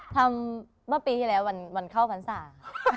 ทำเมื่อปีที่แล้ววันเข้าวันศาสตร์